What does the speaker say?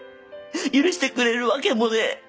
許してくれるわけもねえ。